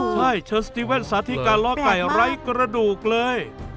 ใช่เชิญสติแว่นสาธิการล้อไก่ไร้กระดูกเลย